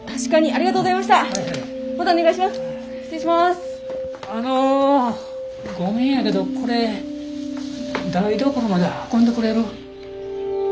あのごめんやけどこれ台所まで運んでくれる？